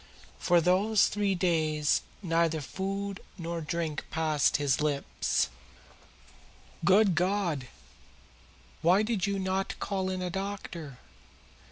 For these three days neither food nor drink has passed his lips." "Good God! Why did you not call in a doctor?"